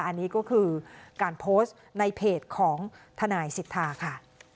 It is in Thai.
อันนี้ก็คือการโพสต์ในเพจของทนายสิทธาค่ะ